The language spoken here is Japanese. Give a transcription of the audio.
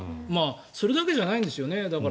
それだけじゃないんですよね。